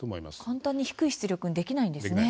簡単に低い出力にできないんですね。